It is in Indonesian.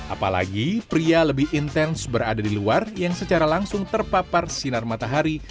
apalagi pria lebih intens berada di luar yang secara langsung terpapar sinar matahari